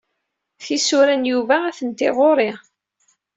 Tisura n Yuba atenti ɣur-i.